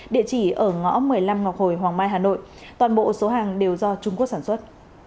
địa chỉ ở ngõ một mươi năm ngọc hồi hoàng mai hà nội toàn bộ số hàng đều do trung quốc sản xuất